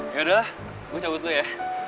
ya udah gua cabut dulu ya